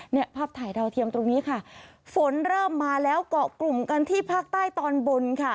เนี่ยภาพถ่ายดาวเทียมตรงนี้ค่ะฝนเริ่มมาแล้วเกาะกลุ่มกันที่ภาคใต้ตอนบนค่ะ